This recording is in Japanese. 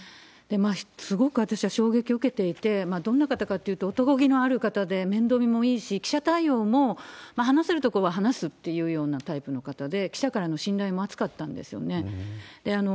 すごく私は衝撃を受けていて、どんな方かっていうと、男気のある方で、面倒見もいいし、記者対応も、話せるところは話すっていうようなタイプの方で、記者からの信頼も厚かったんですよね。